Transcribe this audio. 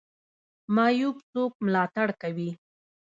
معیوب څوک ملاتړ کوي؟